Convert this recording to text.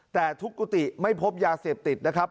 แต่ทุกกุฏิไม่พบยาเสพติดนะครับ